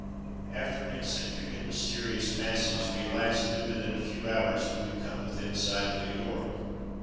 After an eccentric and mysterious passage we at last knew that in a few hours we would come within sight of New York.